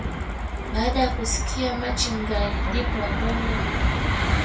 baada ya kusikia maching guy ndipo wabongo